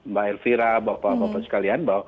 mbak elvira bapak bapak sekalian bahwa